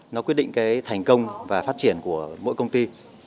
nó quyết định cái thành công và phát triển của mỗi công ty